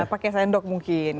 pakai sendok mungkin